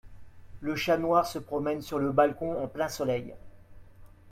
Le chat noir se promène sur le balcon en plein soleil